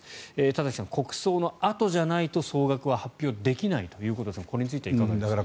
田崎さん、国葬のあとじゃないと総額は発表できないということですがこれについてはいかがですか。